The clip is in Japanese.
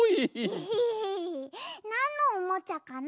エヘヘなんのおもちゃかな？